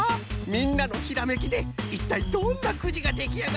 みんなのひらめきでいったいどんなくじができあがるんじゃろうかのう。